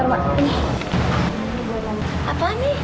ini buat tambahan apa nih